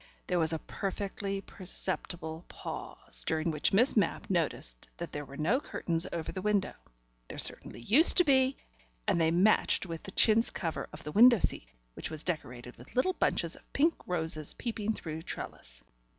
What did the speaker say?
There was a perfectly perceptible pause, during which Miss Mapp noticed that there were no curtains over the window. There certainly used to be, and they matched with the chintz cover of the window seat, which was decorated with little bunches of pink roses peeping through trellis.